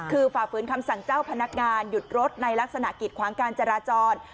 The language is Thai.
คือฝ่าฝืนคำสั่งเจ้าพนักงานหยุดรถในลักษณะกิดขวางการจราจร